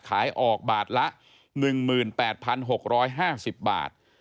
ขายออกบาทละ๑๘๖๕๐บาท